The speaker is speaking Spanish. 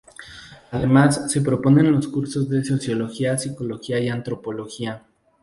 Además, se proponen los cursos de Sociología, Psicología y Antropología.